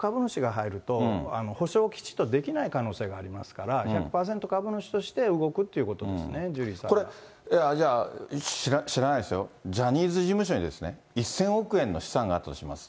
逆に１００％持ってないとほかの株主が入ると、補償をきちっとできない可能性がありますから、１００％株主として動くっていうことですね、ジュじゃあ、知らないですよ、ジャニーズ事務所にですね、１０００億円の資産があったとします。